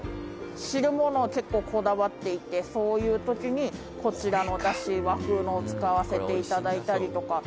「汁物、結構こだわっていてそういう時にこちらのダシ和風のを使わせて頂いたりとか」